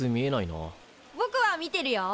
ぼくは見てるよ。